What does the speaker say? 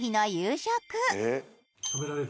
食べられる？